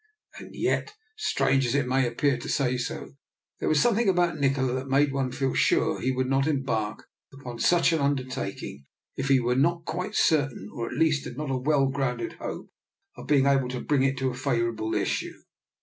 And yet, strange as it may appear to say so, there was something about Nikola that made one feel sure he would not embark upon such an undertaking if he were not quite certain, or at least had not a well grounded hope, of being able to bring it to a favourable issue.